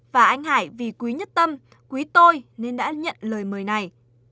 và anh hải vì quý nhất tâm quý tôi nên đã nhận lời mời này